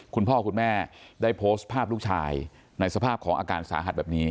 คุณพ่อคุณแม่ได้โพสต์ภาพลูกชายในสภาพของอาการสาหัสแบบนี้